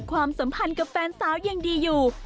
ความสัมพันธ์กับแฟนสาวยังดีอยู่